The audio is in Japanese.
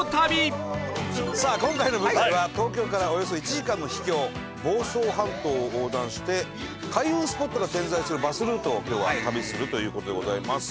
さあ今回の舞台は東京からおよそ１時間の秘境房総半島を横断して開運スポットが点在するバスルートを今日は旅するという事でございます。